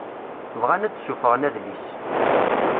Bɣan ad d-suffɣen adlis.